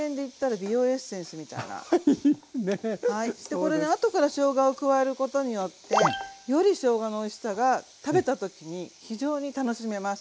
これねあとからしょうがを加えることによってよりしょうがのおいしさが食べた時に非常に楽しめます。